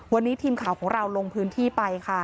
วันนี้ทีมข่าวของเราลงพื้นที่ไปค่ะ